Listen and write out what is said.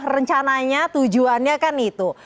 rencananya tujuannya kan itu